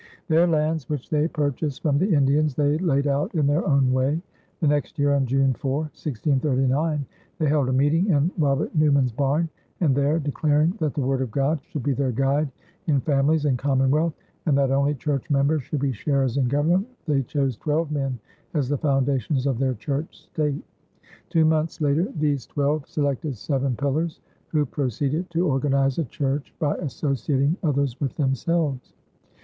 Their lands, which they purchased from the Indians, they laid out in their own way. The next year on June 4, 1639, they held a meeting in Robert Newman's barn and there, declaring that the Word of God should be their guide in families and commonwealth and that only church members should be sharers in government, they chose twelve men as the foundations of their church state. Two months later these twelve selected "seven pillars" who proceeded to organize a church by associating others with themselves.